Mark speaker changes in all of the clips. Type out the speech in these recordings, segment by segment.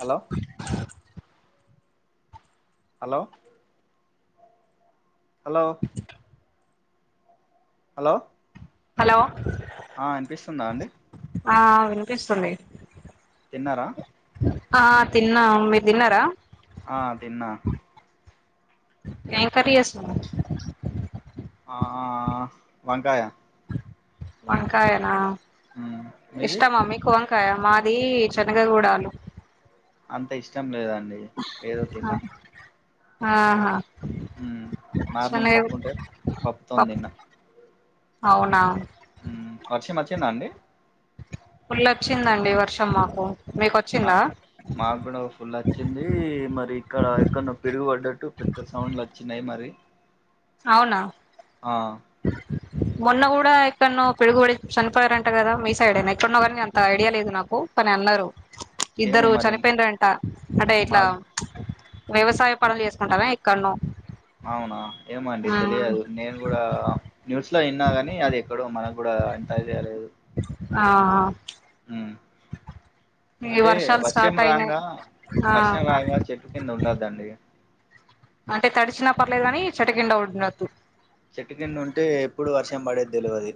Speaker 1: Hello hello hello hello
Speaker 2: hello
Speaker 1: ఆ ఇనిపిస్తుందా అండి
Speaker 2: ఆ వినిపిస్తుందీ
Speaker 1: తిన్నారా
Speaker 2: ఆ తిన్నాం మీర్ తిన్నారా.
Speaker 1: ఆ తిన్నా
Speaker 2: ఏం కర్రీ చేస్తు [inaudible]
Speaker 1: ఆ వంకాయా
Speaker 2: వంకాయనా
Speaker 1: మ్ మీది
Speaker 2: ఇష్టమా మీకు వం కాయా మాదీ చనగగుడాలు.
Speaker 1: అంత ఇష్టం లేదండి ఏదో తిన్నా.
Speaker 2: ఆహా
Speaker 1: ఊ మార్నింగ్
Speaker 2: శనగ
Speaker 1: పప్పుంటే పప్పుతోన్
Speaker 2: పప్పు
Speaker 1: తిన్నా.
Speaker 2: అవునా
Speaker 1: ఊ వర్షం వచ్చిందా అండి.
Speaker 2: ఫుల్ల్ వచ్చిందండి వర్షం మాకూ
Speaker 1: మా మాక్గూడా ఫుల్ వచ్చిందీ మరి. ఇక్కడ ఎక్కడనో పిడుగు పడ్డట్టు పెద్ద సౌండ్లు వచ్చినయి మరి.
Speaker 2: అవునా
Speaker 1: ఆ
Speaker 2: మొన్న గూడా ఎక్కడ్నో పిడుగుబడి చనిపోయారు అంట గదా మీ సైడేనా ఎక్కడనో గానీ అంతా ఐడియా లేదు నాకు పని అన్నరు
Speaker 1: ఏమో
Speaker 2: ఇద్దరూ
Speaker 1: మరి
Speaker 2: చనిపోయిన్ రంటా అంటే ఇట్లా
Speaker 1: మాకు
Speaker 2: ప్చ్ వ్యవసాయ పనులు చేసుకుంటారా ఇక్కడ్నో
Speaker 1: అవునా ఏమో అండి తెలియదు నేను గూడా న్యూస్ లో విన్నా గాని అది ఎక్కడో మనకు. ప్పుడు అదా అంత ఐడియా లేదు
Speaker 2: ఆహా ఈ
Speaker 1: అంటే
Speaker 2: వర్షాలు
Speaker 1: వర్షం
Speaker 2: స్టార్ట్ అయినై
Speaker 1: రాంగా
Speaker 2: ఆ.
Speaker 1: వర్షం రాంగా చెట్టు కింద ఉండద్దండి
Speaker 2: అంటే తడిశినా పర్లేదు గానీ చెట్టుకిండా ఉండొద్దు.
Speaker 1: చెట్టు కిండ ఉంటే ఎప్పుడు వర్షం పడేద్ దెల్వది.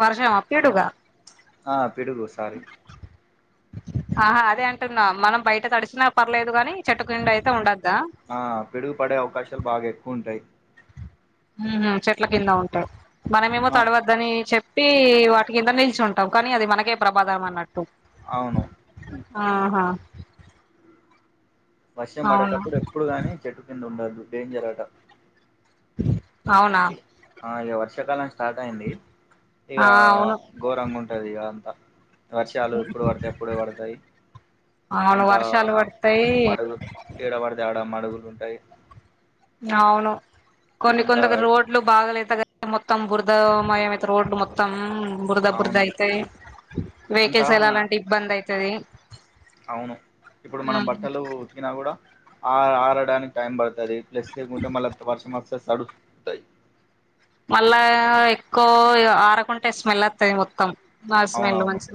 Speaker 2: వర్షమా పిడుగా
Speaker 1: ఆ పిడుగు సారీ
Speaker 2: ఆహా అదే అంటున్నా మనం బయట తడిశినా పర్లేదు గానీ చెట్టు కిండ అయితే ఉండొద్ద్.
Speaker 1: ఆ పిడుగు పడే అవకాశాల్ బాగా ఎక్కువ ఉంటాయి.
Speaker 2: ఊహు చెట్ల కింద ఉంటే మనమేమో
Speaker 1: ఆ
Speaker 2: తడవద్దనీ చెప్ ట్టీ వాటి కింద నిల్చుంటం కానీ అది మనకే ప్రభాదం అన్నట్టు.
Speaker 1: అవును
Speaker 2: ఆహా
Speaker 1: వర్షం
Speaker 2: అవును
Speaker 1: పడేటప్పుడు ఎప్పుడు గానీ చెట్టు కింద ఉండొద్దు డేంజర్ అటా.
Speaker 2: అవునా
Speaker 1: ఆ ఇగ వర్షాకాలం స్టార్ట్ అయిందీ
Speaker 2: ఆ
Speaker 1: ఇగా
Speaker 2: అవును
Speaker 1: గోరంగ ఉంటది ఇగా అంతా. వర్షాలు ఎప్పుడు పడితే అప్పుడే పడతయ్.
Speaker 2: అవును
Speaker 1: అంతా
Speaker 2: వర్షాలు పడతాయి
Speaker 1: మడుగు. ఏడ పడితే ఆడా మడుగులు ఉంటయ్.
Speaker 2: అవును కొన్ని కొందకు రోడ్లు బాగలేత క మొత్తం బురద మయం అయితే రోడ్డు మొత్తం బురద బురద
Speaker 1: అవును
Speaker 2: అయితే
Speaker 1: అంతా
Speaker 2: వెహికల్స్ వెళ్లాలంటే ఇబ్బంది అయితది
Speaker 1: అవును ఇప్పుడు మనం బట్టలు ఉతికినా కూడా ఆ ఆరడానికి టైం పడుతది పడుతది ప్లస్ వర్షం వస్తే తడుస్తాయి
Speaker 2: మళ్ళా ఎక్కువ ఆరకుంటే స్మెల్ అత్తయి మొత్తం ఆ స్మెల్
Speaker 1: అవునవును
Speaker 2: మంచి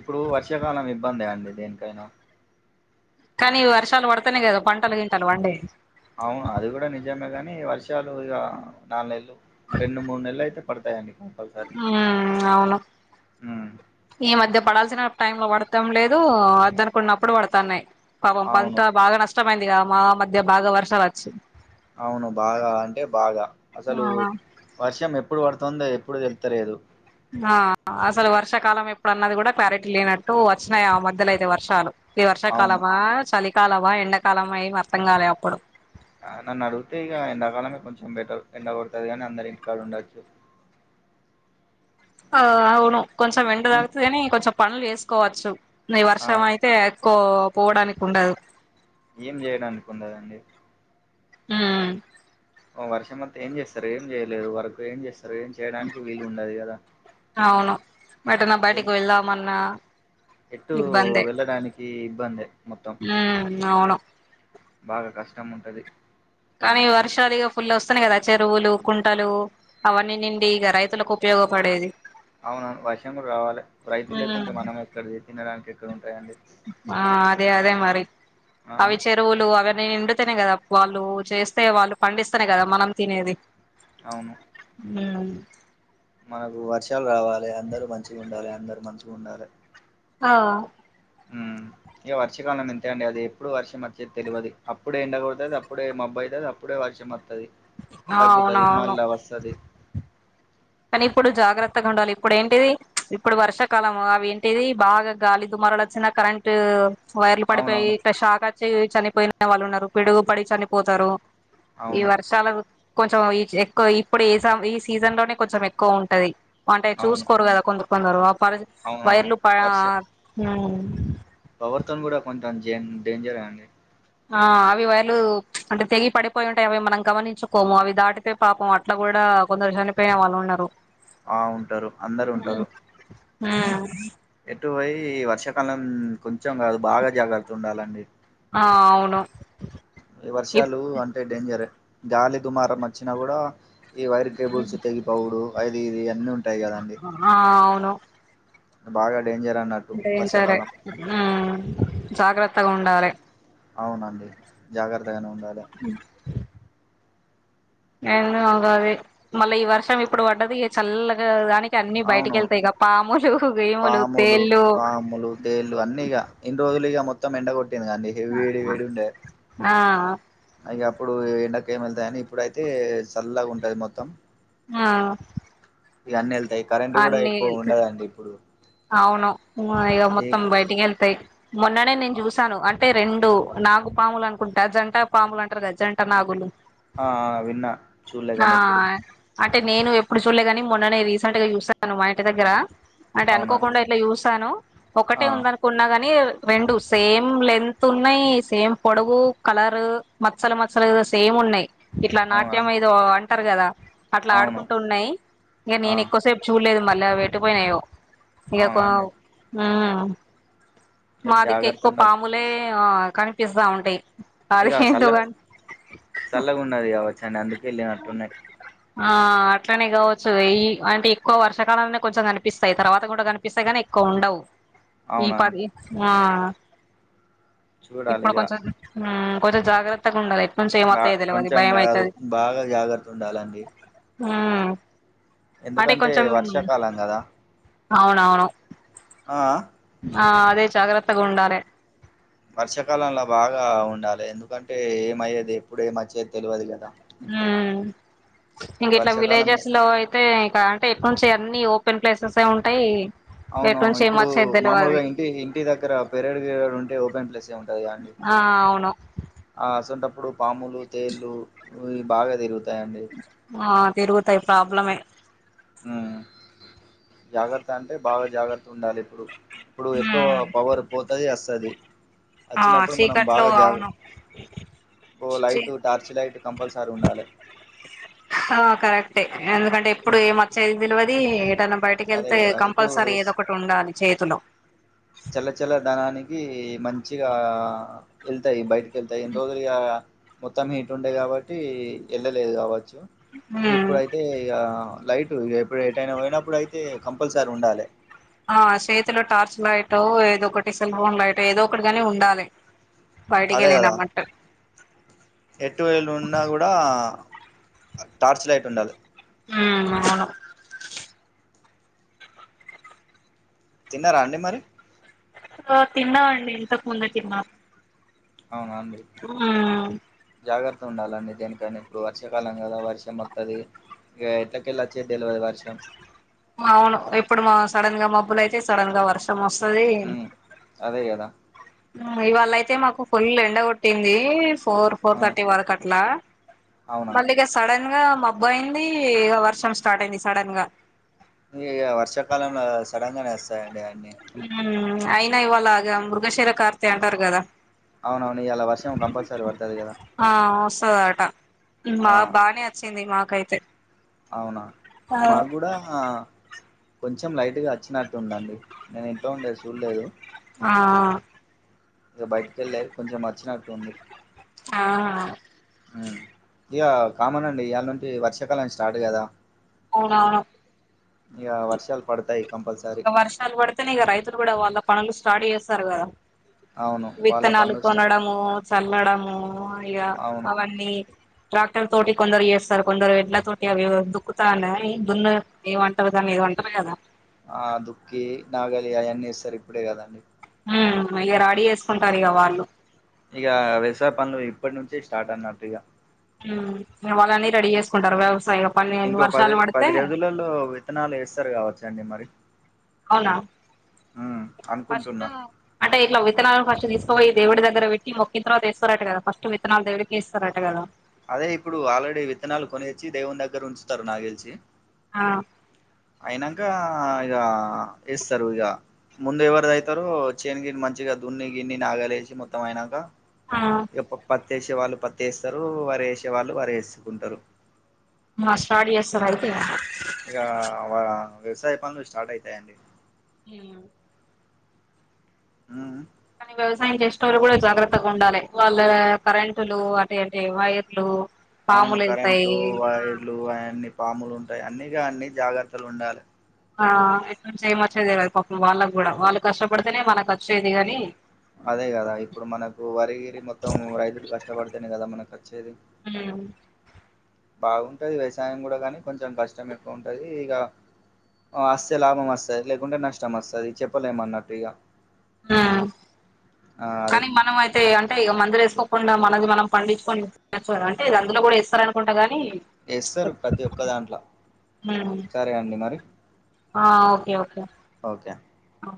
Speaker 1: ఇప్పుడు వర్షాకాలం ఇబ్బందే అండి దేనికైనా
Speaker 2: కానీ వర్షాలు పడితేనే కదా పంటలు గింటిలు పండేది
Speaker 1: అవును అది కూడా నిజమే గాని వర్షాలు ఇక నాలుగు నెలలు రెండు మూడు నెలలు అయితే పడతాయండి కంపల్సరీ
Speaker 2: ఉ అవును
Speaker 1: ఉమ్
Speaker 2: ఈ మధ్య పడాల్సిన టైం లో పడతాం లేదు వద్దనుకున్నప్పుడు పడతాన్నాయి పాపం పంట
Speaker 1: అవును
Speaker 2: అంతా బాగా నష్టమయి దిగ మా మధ్య భాగ వర్షలు వచ్చి
Speaker 1: అవును బాగా అంటే బాగా అసలు వర్షం ఎప్పుడు పడుతు తుందో ఎప్పుడు తెలుస్తలేదు
Speaker 2: ఆ అసలు వర్షాకాలం ఎప్పుడన్నది కూడా క్లారిటీ లేనట్టు వచ్చినాయి ఆ మధ్యలో అయితే వర్షాలు ఈ
Speaker 1: అవును
Speaker 2: వర్షాకాలమా చలికాలమా ఎండాకాలమా ఏమి అర్థం కాలే అప్పుడు
Speaker 1: ఆ నన్ను అడిగితే ఇక ఎండాకాలం ఏ కొంచెం బెటరు ఎండ కొడతది కానీ అందరు ఇంటికాడ ఉండొచ్చు
Speaker 2: ఆ అవును కొంచెం ఎండ
Speaker 1: ఉమ్
Speaker 2: తాకుతది కాని కొంచెం పనులు చేసుకోవచ్చు న
Speaker 1: ఆ
Speaker 2: వర్షం అయితే ఎక్కువ పోవడానికి ఉండదు
Speaker 1: ఏం చేయడానికి ఉండదండి
Speaker 2: హ్మ్మ్
Speaker 1: వర్షం వస్తే ఏం చేస్తారు ఏం చేయలేరు వర్క్ ఏం చేస్తారు ఏం చేయడానికి వీలు ఉండదు కదా
Speaker 2: అవును మటన్నా
Speaker 1: ఏం
Speaker 2: బైటికి వెళ్దమన్న
Speaker 1: ఎటు వెళ్ళడానికి ఇబ్బందే మొత్తం
Speaker 2: ఉ అవును
Speaker 1: బాగా కష్టం ఉంటది
Speaker 2: కానీ వర్షాలు ఇగ ఫుల్ వస్తున్నాయి కదా చెరువులు కుంటలు అవన్నీ నిండి ఇక రైతులకు ఉపయోగ పడేది
Speaker 1: అవును వర్షము రావాలి రైతులు లేకుంటే
Speaker 2: ఉమ్
Speaker 1: మనం ఎక్కడ తినడానికి ఎక్కడ ఉంటాయండి
Speaker 2: ఆ అదే అదే మరి
Speaker 1: ఆ
Speaker 2: అవి చెరువులుు అవన్నీ నిం స్తే కదా వాళ్ళు చేస్తే వాళ్ళు పండిస్తేనే కదా మనం తినేది
Speaker 1: అవును
Speaker 2: హు
Speaker 1: మనకు వర్షాలు రావాలే అందరు మంచిగా ఉండాలి అందరు మంచిగా ఉండాలే
Speaker 2: ఆ
Speaker 1: ఇక వర్షకాలం ఇంతే అండి అది ఎప్పుడు వర్షం వచ్చేది తెల్వది అప్పుడే ఎండ కొడతాది అప్పుడే మబ్బు అయితది అప్పుడే వర్షం వస్త తగ్గుతుది
Speaker 2: అవునవును
Speaker 1: మళ్ళా వస్తది
Speaker 2: కానీ ఇప్పుడు జాగ్రత్తగా ఉండాలి ఇప్పుడు ఏంటిది ఇప్పుడు వర్షాకాలము అవి ఏంటిది బాగా గాలిదుమ్మ్ మరడచ్చిన కరెంట్ వైర్లు పడిపోయి
Speaker 1: అవునవును
Speaker 2: ఇట షాక్ వచ్చి చనిపోయిన వాళ్ళు ఉన్నారు పిడుగు పడి చనిపోతారు ఈ
Speaker 1: అవును
Speaker 2: వర్షాలు కొంచెం ఎక్కువ ఇప్పుడు ఏ ఈ సీజన్ లోనే కొంచెం ఎక్కువ ఉంటది అంటే
Speaker 1: అవును
Speaker 2: చూసుకోరు కదా కొందరు కొందరు పర
Speaker 1: అవునవును
Speaker 2: వైర్లు ప
Speaker 1: వర్ష
Speaker 2: హు
Speaker 1: పవర్తో కూడా కొంచెం డేంజరే అండి
Speaker 2: ఆ అవి వైర్లు అంటే తెగి పడిపోయి ఉంటాయి అవి మనం గమనించుకోము అవి దాటితే పాపం అట్లా కూ డా కొందరు చనిపోయినవాళ్ళు ఉన్నారు
Speaker 1: ఆ ఉంటారు అందరు ఉంటారు
Speaker 2: మ్
Speaker 1: ఇటు పోయి ఈ వర్షాకాలం కొంచెం కాదు బాగా జాగ్రత్త ఉండాలండి
Speaker 2: అ అవును
Speaker 1: ఈ వర్షాలు అంటే డేంజర్ గాలి దుమారం వచ్చినా కూడా ఈ వైర్ కేబుల్స్
Speaker 2: ఇప్
Speaker 1: తెగిపోవుడు అది ఇది అన్నీ ఉంటాయి కదండి
Speaker 2: ఆ అవును
Speaker 1: బాగా డేంజర్ అన్నట్టు
Speaker 2: చుఇంచాలే
Speaker 1: వర్షాకాలం
Speaker 2: మ్ జాగ్రత్తగా ఉండాలే
Speaker 1: అవునండి జాగ్రత్తగానే ఉండాలి
Speaker 2: ఏందో కాది మళ్ళ ఈ వర్షం ఇప్పుడు పడ్డది ఇగ చల్లగా గాలి
Speaker 1: అవును
Speaker 2: గీములు
Speaker 1: పాములు
Speaker 2: తేళ్ళు
Speaker 1: పాములు తేళ్ళు అన్నిీగా ఇన్ని రోజులు ఇగ మొ త్తం ఎెండ కొట్టింది కదండీ ఇగ వేడి వేడుంటే
Speaker 2: ఆ
Speaker 1: ఇగ అప్పుడు ఎండకేం వెళ్తాయని ఇప్పుడుైతే చల్లగుంటది మొత్తం
Speaker 2: ఆ
Speaker 1: ఇగ అన్నేళ్తాయి కరెంట్ కూడా
Speaker 2: అన్ని
Speaker 1: ఎక్కువ ఉండదండి ఇప్పుడు
Speaker 2: అవును ఇగ
Speaker 1: ఏ
Speaker 2: మొత్తం బయటికేళ్తాయి మొన్ననే నేను చూసాను అం టే రెండు నాగు పాములనుకుంటా జంట పాములు అంటారు కద జంట నాగులు
Speaker 1: అ ఆ విన్నా
Speaker 2: ఆ
Speaker 1: చూడలేగాని ఎప్పుడు
Speaker 2: అంటే నేను ఎప్పుడు చూడలేగాని మొన్ననే రీసెంట్ గా చూస్తాను మా ఇంటి దగ్గర అంటే అను
Speaker 1: అవునా అండి
Speaker 2: కోకుండా ఇట్లా చూసాను
Speaker 1: ఆ
Speaker 2: ఒకటే ఉందనుకున్నా గాని రెండు సేమ్ లెంత్ ఉన్నాయి్ సేమ్ పొడవు కలర్ మచ్చలు మచ్చలు సేమ్ ఉన్నాయి్ ఇట్లా
Speaker 1: అవునా
Speaker 2: నాట్యం ఏదో అంటారు కదా అట్లా
Speaker 1: అవును
Speaker 2: ఆడుకుంటూ ఉన్నాయి ఇగ
Speaker 1: ఆ
Speaker 2: నేను ఎక్కువసేపు చూడలేదు మళ్ళ అవి ఎటుపోయినాయో ఇగ
Speaker 1: అవునా
Speaker 2: కొ
Speaker 1: అండి
Speaker 2: మ్
Speaker 1: ఇగ
Speaker 2: మాదిక్కు
Speaker 1: జాగ్రత్త
Speaker 2: ఎక్కువ
Speaker 1: ఉండాలి
Speaker 2: పాములే అ కనిపిస్తా ఉంటాయి
Speaker 1: ఇక చల్ల
Speaker 2: అదేందో గాని
Speaker 1: చల్లగాన్నది కవచ్చండి అందుకే వెళ్ళనట్టున్నాయి
Speaker 2: ఆ అట్లనే కావచ్చు ఈ అంటే ఎక్కువ వర్షాకాలంలనే కొంచెం కనిపిస్తాయి తర్వాత కూడా కనిపిస్తాయి గానీ ఎ క్కువుండవ్ ఈ
Speaker 1: అవునా అండి
Speaker 2: పది ఆ
Speaker 1: చూడాలి
Speaker 2: ఇప్పుడు
Speaker 1: ఇగ
Speaker 2: కొంచెం మ్ కొంచం జాగ్రత్తగా ఉండాలే ఎటు నుంచి
Speaker 1: బా
Speaker 2: ఏమొత్తయో తెలవది
Speaker 1: కొంచెం కాదు
Speaker 2: భయంమయితది
Speaker 1: బాగా జాగ్రత్త ఉండాలండి
Speaker 2: మ్ అంటే
Speaker 1: ఎందుకంటే
Speaker 2: కొంచెం
Speaker 1: వర్షాకాలం కదా
Speaker 2: అవునవును
Speaker 1: ఆ అ
Speaker 2: ఆ అదే జాగ్రత్తగ ఉండాలే
Speaker 1: వర్షాకాలంల బాగా ఉండాలే ఎందుకంటే ఏమయ్యేది ఎప్పుడు ఏమచ్చేది తెలువదు కదా
Speaker 2: ఇంగ
Speaker 1: ఈ
Speaker 2: ఇట్లా
Speaker 1: వర్షాకాలంలో
Speaker 2: విలేజెస్ లో అయితే ఇంకా అంటే ఇటు నుంచి అన్నిీ ఓపెన్ ప్లేసెస్ ఉంటాయి
Speaker 1: అవునవును
Speaker 2: ఎట్నుంచి ఏం
Speaker 1: ఇప్పుడు
Speaker 2: వచ్చేది
Speaker 1: మామూలుగా
Speaker 2: తెలవది
Speaker 1: ఇంటి ఇంటి దగ్గర పెరడు గిరడు ఉంటే ఓపెన్ ప్లేసే ఉంటాది క అండి
Speaker 2: ఆ అవును
Speaker 1: ఆ అసొంటప్పుడు పాములు తేళ్ళు బాగా తిరుగు
Speaker 2: ఆ తిరుగుతాయి ప్రాబ్లమే
Speaker 1: ఉ జాగ్రత్త అంటే బాగా జాగ్రత్త ఉండాలి ఇప్పుడు ఇప్పుడు ఎక్కువ
Speaker 2: మ్
Speaker 1: పవర్ పోతది వస్తది
Speaker 2: ఆ
Speaker 1: వచ్చినప్పుడు మనం
Speaker 2: చీకట్లో
Speaker 1: బాగా జాగ
Speaker 2: అవును
Speaker 1: ఓ
Speaker 2: చీ
Speaker 1: లైటు టార్చ్ లైట్ కంపల్సరీ ఉండాలే
Speaker 2: హా కరెక్టే ఎందుకంటే ఎప్పుడు ఏం వచ్చేది తెలువది ఎటన బయటిక
Speaker 1: అదే
Speaker 2: వెళ్తే
Speaker 1: కదా ఇప్పుడు
Speaker 2: కంపల్సరీ ఏదో ఒకటి ఉండాలి చేతిలో
Speaker 1: చల్లచల్లదనానికి మంచిగ ఎల్తయి బయటి ఎల్తయి ఇన్ని రోజులు ఇగ మొత్తం హీట్ ఉండే కాబట్టి వెళ్ళలేదు కావచ్
Speaker 2: ఉమ్
Speaker 1: ఇప్పుడైతే ఇగా లైట్ ఎప్పుడు ఎటైనా పోయినప్పుడు అయితే కంపల్సరీ ఉండాలే
Speaker 2: ఆ చేతిలో టార్చ్ లైట్ ఏదో ఒకటి సెల్ ఫోన్ లైట్ ఏదో ఒకటి గాని ఉండాలే
Speaker 1: అదే కదా
Speaker 2: బయటికెళ్లినమటు
Speaker 1: ఎటు ఏలు ఉన్నా కూడా టార్చ్ లైట్ ఉండాలే
Speaker 2: ఊ అవును
Speaker 1: తిన్నారా అండి మరి
Speaker 2: ఆ తిన్నావండి ఇంతకు ముందే తిన్నాం
Speaker 1: అవునా అండి జాగ్రత్త ఉండాలండి దేనికన్నా ఇప్పుడు వర్షాకాలం కదా వర్షం అత్తది ఇగ ఎట్ల కెల్ వచ్చేది తెలువది వర్షం
Speaker 2: అవును ఎప్పుడు మా సడన్ గా మబ్బులు అయితే సడన్ గా వర్షం వస్తది.
Speaker 1: ఉమ్ అదే కదా
Speaker 2: ఊ ఇవాళ అయితే మాకు ఫుల్ ఎండ కొట్టింది ఫోర్ ఫోర్
Speaker 1: ఆ
Speaker 2: థర్టీ వరకు అట్లా
Speaker 1: అవునా
Speaker 2: మళ్ళీ ఇగ సడన్ గా మబ్బు అయింది ఇగ వర్షం స్టార్ట్ అయింది సడన్ గా
Speaker 1: ఇగ వర్షాకాలంల సడన్ గానే వస్తాయండీ ఆ
Speaker 2: ఊ అయినా ఇవాళ గా మృగశిర కార్తె అంటారు కదా
Speaker 1: అవునవును ఇయాల వర్షం కంపల్సరీ వడ్డది కదా
Speaker 2: వాట
Speaker 1: ఆ
Speaker 2: మాక్ బానే వచ్చింది మాకైతే
Speaker 1: అవునా
Speaker 2: ఆ
Speaker 1: మాకు కూడా కొంచెం లైట్ గా వచ్చినట్టు ఉందండి నేను ఇంట్లో ఉండేది చూలేదు
Speaker 2: ఆ
Speaker 1: ఇక బయటికి వెళ్లేద్ కొంచెం వచ్చినట్టు ఉంది
Speaker 2: ఆ
Speaker 1: ఊ ఇక కామన్ అండి ఇయాల్ నుంచి వర్షాకాలం స్టార్ట్ కదా
Speaker 2: అవునవును
Speaker 1: ఇక వర్షాలు పడతాయి కంపల్సరీ
Speaker 2: ఇక వర్షాలు పడితేనే ఇక రైతులు కూడా వాళ్ళక్ పనులు స్టార్ట్ చేస్తారు కదా
Speaker 1: అవును వాళ్ళ
Speaker 2: విత్తనాలు
Speaker 1: పనులు స్టా
Speaker 2: కొనడము చల్లడము ఇక
Speaker 1: అవును
Speaker 2: అవన్నీ ట్రాక్టర్ తోటి కొందరు ఏస్తారు కొందరు ఎడ్ల తోటి అవి వద్దు కొత్తనాని దున్నర్ ఏమంటర్ దాని ఏదో అంటరు కదా
Speaker 1: ఆ దుకి నాగలి అవన్నీ ఏస్తరు ఇప్పుడే కదండీ
Speaker 2: ఆ రడీ చేసుకుంటారు ఇక వాళ్ళు
Speaker 1: ఇగ వ్యవసాయ పనులు ఇప్పటి నుంచే స్టార్ట్ అన్నట్టు ఇగ
Speaker 2: ఊ ఇగ వాళ్ళని రెడీ చేసుకుంటారు వ్యవసాయ పన్నయన్ని ఇగ
Speaker 1: ఇంకో పది
Speaker 2: వర్షాలు పడితే
Speaker 1: పది రోజులలో విత్తనాలు వేస్తారు కావచ్చండి మరి
Speaker 2: అవునా
Speaker 1: ఉమ్,
Speaker 2: ఫస్ట్
Speaker 1: అనుకుంటున్నా
Speaker 2: అంటే ఇట్ల విత్తనాలు ఫస్ట్ తీస్ పోయి దేవుడు దగ్గరవేట్టి ముక్కి తర్వాత ఎస్తారట గదా ఫస్ట్ విత్తనాలు దేవుడికిఇస్తారట గదా.
Speaker 1: అదే ఇప్పుడు ఆల్రెడీ విత్తనాలు కొనిచ్చి దేవుని దగ్గర ఉంచుతారు నా గ్గెలిసి.
Speaker 2: ఆ.
Speaker 1: అయినక్క ఇగ ఏస్తారు ఇగ. ముందు ఎవరిదైతో చేన్ గిన్ మంచిగా దున్ని గిన్ని నాగా లేషి మొత్తం అయినక్క.
Speaker 2: ఆ
Speaker 1: ఇగ ప పత్తి ఎసే వాళ్ళు పత్తి ఎస్తారు వరీ ఎసే వాళ్ళు వరీ ఎసుకుంటారు.
Speaker 2: మా స్టార్ట్ జేస్తార అయితే.
Speaker 1: వ్యవససాయ పనులు స్టాట్ అయితయండి.
Speaker 2: ఉమ్.
Speaker 1: అ ఆ.
Speaker 2: కానీ వ్యవసాయం జెస్టోళ్లు వాళ్ళు గూడా జాగ్రత్తగా ఉండాలే వాళ్లు ఏ కరెంటులు అటు ఏటే వైర్లు.
Speaker 1: అవును
Speaker 2: పాములు వెళ్తాయి
Speaker 1: కరెంట్లు వైర్లు అయన్ని పాములు ఉం. ఆయన్నీ గాన్ని జాగ్రత్తలు ఉండాలే.
Speaker 2: ఆ ఎట్లా నుంచి ఏమోచ్చేది తెలువద్ పాపం వాళ్ళగుడా వాళ్ళు కష్టపడితేనే మనకచ్చేది గాని.
Speaker 1: అదే గదా ఇప్పుడు మనకు వరగిరి మొత్తం రైతులు కష్టబడితేనే గదా మనకు అచ్చేది.
Speaker 2: అం.
Speaker 1: బాగుంటది వ్యవసాయం గూడా గనీ కొంచం కష్టం ఎక్కో ఉంటది ఇగ. అ అస్తే లాభం అస్తది లేకుంటే నష్టం అస్తది చెప్పలేమన్నట్టు ఇగ.
Speaker 2: అ మ్
Speaker 1: ఆ అది
Speaker 2: కనీ మనం అయితే ఇగ అంతే ఇగ మందులు ఏస్. తప్పకుండా మనది మనం పండించ్చుకొని తినచ్చు అంటే ఇదీ అందులో కూడా ఏస్తారనుకుంట గానీ.
Speaker 1: ఏస్తరు ప్రతి ఒక్క దాంట్ల
Speaker 2: [unintelligible]
Speaker 1: సరే అండి మరి
Speaker 2: ఆ ఓకే ఓకే.
Speaker 1: ఓకే.
Speaker 2: ఆ.